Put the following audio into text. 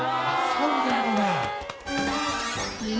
そうなんだ。